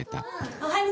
おはよう。